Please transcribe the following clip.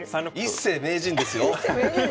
一世名人ですよ！